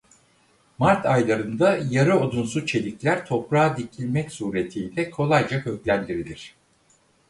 Mart aylarında yarı odunsu çelikler toprağa dikilmek suretiyle kolayca köklendirilir.